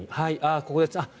ここです。